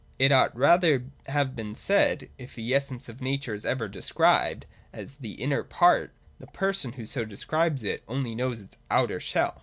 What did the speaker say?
' It ought rather to have been said that, if the essence of nature is ever described as the inner part, the person who so describes it only knows its outer shell.